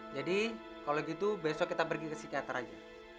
jadi kalo gitu besok kita pergi ke psikiater aja